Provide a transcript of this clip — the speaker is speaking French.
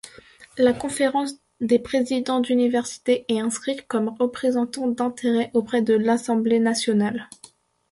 La Conférence des présidents d'université est inscrite comme représentant d'intérêts auprès de l'Assemblée nationale.